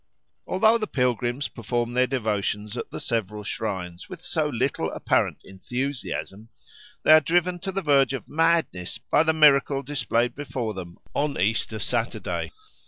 Although the pilgrims perform their devotions at the several shrines with so little apparent enthusiasm, they are driven to the verge of madness by the miracle displayed before them on Easter Saturday.